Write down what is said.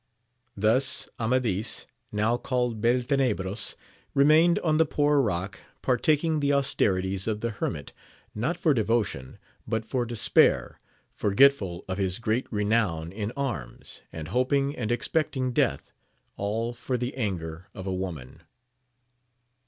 Thus Amadis, now called Beltenebros, remained on the Poor Rock, partaking the austerities of the hermit, not for devotion, but for despair, forgetful of his great renown in arms, and hoping and expecting death, — all for the anger of a woman